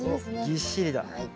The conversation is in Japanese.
ぎっしりだ。